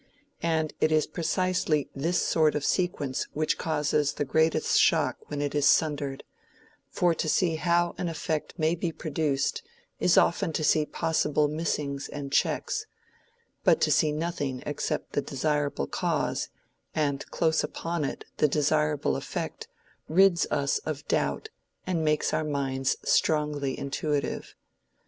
And it is precisely this sort of sequence which causes the greatest shock when it is sundered: for to see how an effect may be produced is often to see possible missings and checks; but to see nothing except the desirable cause, and close upon it the desirable effect, rids us of doubt and makes our minds strongly intuitive.